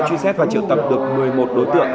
truy xét và triệu tập được một mươi một đối tượng